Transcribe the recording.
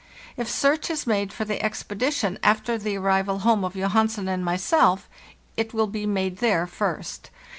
If search is made for the expedition after the arrival home of Johansen and myself, it will be made there first.